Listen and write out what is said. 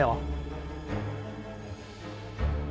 ก็ได้